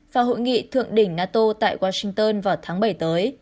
và hội nghị thượng đỉnh nato tại washington vào tháng bảy tới